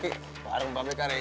ki warung pakek ari